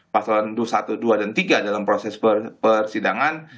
pasron satu dua dan tiga dalam proses persidangan